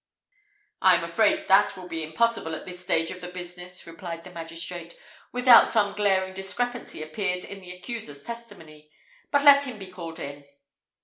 "I am afraid that will be impossible in this stage of the business," replied the magistrate, "without some glaring discrepancy appears in the accuser's testimony; but let him be called in."